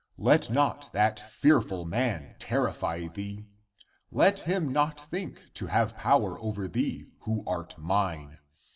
Let not that fearful man terrify thee ! Let him not think to have power over thee, who art mine